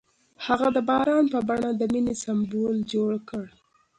هغه د باران په بڼه د مینې سمبول جوړ کړ.